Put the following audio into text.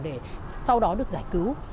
để sau đó được giải cứu